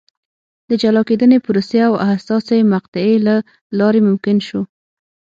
د جلا کېدنې پروسې او حساسې مقطعې له لارې ممکن شو.